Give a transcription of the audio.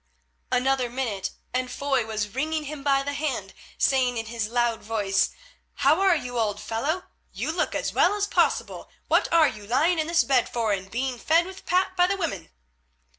Another minute, and Foy was wringing him by the hand, saying in his loud voice, "How are you, old fellow? You look as well as possible, what are you lying in this bed for and being fed with pap by the women?"